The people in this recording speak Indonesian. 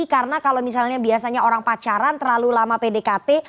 karena kalau misalnya biasanya orang pacaran terlalu lama pdkt